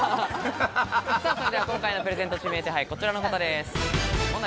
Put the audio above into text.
それでは今回のプレゼント指名手配、こちらの方です。